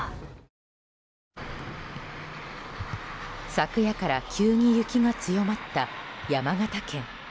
昨夜から急に雪が強まった山形県。